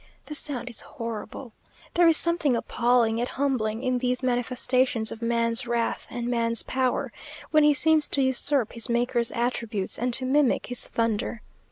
The sound is horrible! There is something appalling, yet humbling, in these manifestations of man's wrath and man's power, when he seems to usurp his Maker's attributes, and to mimic his thunder.